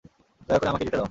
দয়া করে আমাকে যেতে দাও!